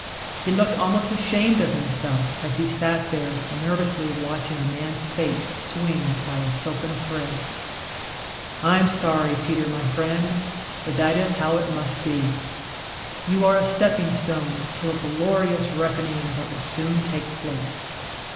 He looked almost ashamed of himself as he sat there nervously watching a man's fate swing by a silken thread. "I'm sorry, Peter, my friend, but that is how it must be. You are a stepping stone to a glorious reckoning that will soon take place.